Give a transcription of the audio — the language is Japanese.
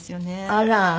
あら。